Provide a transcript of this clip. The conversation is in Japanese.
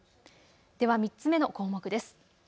では３つ目の項目です。